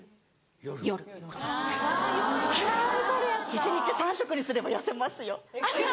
一日３食にすれば痩せますよ。